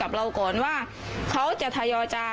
ความปลอดภัยของนายอภิรักษ์และครอบครัวด้วยซ้ำ